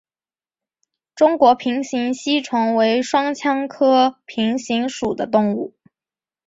中国平形吸虫为双腔科平形属的动物。